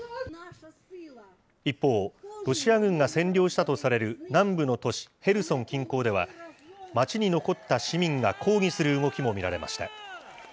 一方、ロシア軍が占領したとされる南部の都市、ヘルソン近郊では、街に残った市民が抗議する動きも見られました。